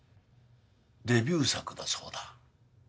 デビュー作だそうだ。